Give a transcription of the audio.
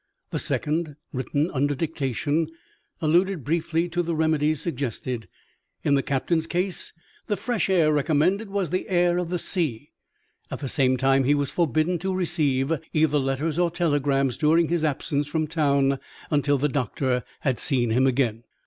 The second, written under dictation, alluded briefly to the remedies suggested. In the captain's case, the fresh air recommended was the air of the sea. At the same time he was forbidden to receive either letters or telegrams, during his absence from town, until the doctor had seen him again.